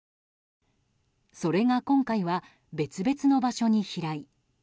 それが、今回は別々の場所に飛来。